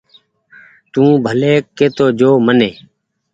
تو ڀلي ڪي تو جو مني